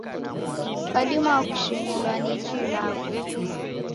Kwadima kushinulwa ni iji ilagho.